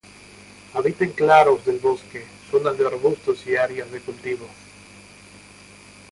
Habita en claros del bosque, zonas de arbustos y áreas de cultivo.